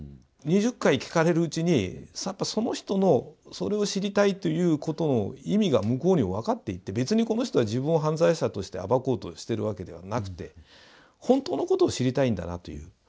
２０回聞かれるうちにやっぱその人のそれを知りたいということの意味が向こうにも分かっていって「別にこの人は自分を犯罪者として暴こうとしてるわけではなくて本当のことを知りたいんだな」という。